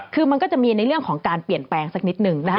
คือมันก็จะมีในเรื่องของการเปลี่ยนแปลงสักนิดนึงนะคะ